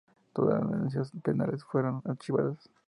Todas la denuncias penales fueron archivadas.